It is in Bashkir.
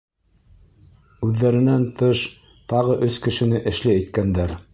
Үҙҙәренән тыш, тағы өс кешене эшле иткәндәр.